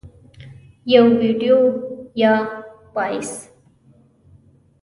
- یو ویډیو یا Voice 🎧